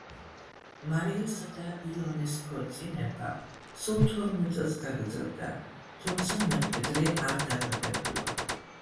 მარიასა და იოანეს ქორწინება სულ თორმეტ წელს გაგრძელდა, თუმცა მემკვიდრე არ დაბადებულა.